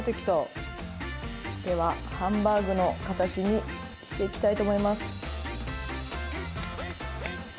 ではハンバーグの形にしていきたいと思います。